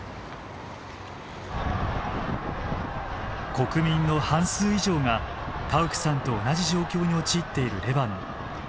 国民の半数以上がタウクさんと同じ状況に陥っているレバノン。